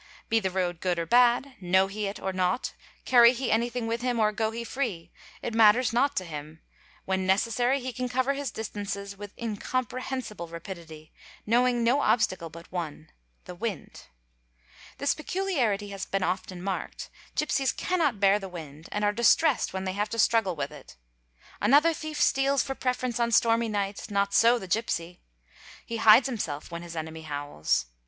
Be the road good or bad, know he it or not, carry he anything with him or go he free, it matters not to him; when necessary he can ' ng Ps px a wedcohey LIL VALE TNS MOL Si Ap ALO ML _ cover his distances with incomprehensible rapidity, knowing no obstacle but one—the wind. This peculiarity has been often remarked ; gipsies _ cannot bear the wind and are distressed when they have to struggle with it. Another thief steals for preference on stormy nights; not so the gipsy ; he hides himself when his enemy howls.